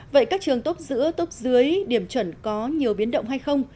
vậy các trường tốt giữa tốc dưới điểm chuẩn có nhiều biến động hay không